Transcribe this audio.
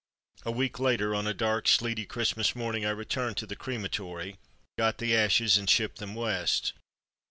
A week later, on a dark, sleety Christmas morning, I returned to the crematory, got the ashes, and shipped them West.